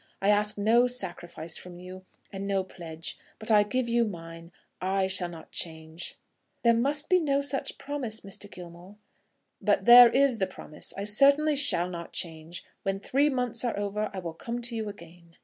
I ask no sacrifice from you, and no pledge; but I give you mine. I shall not change." "There must be no such promise, Mr. Gilmore." "But there is the promise. I certainly shall not change. When three months are over I will come to you again."